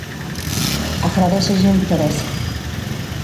Agradézolle o interese.